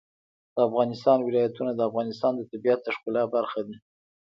د افغانستان ولايتونه د افغانستان د طبیعت د ښکلا برخه ده.